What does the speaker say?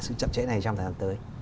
sự chậm chế này trong thời gian tới